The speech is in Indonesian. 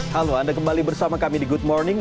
halo anda kembali bersama kami di good morning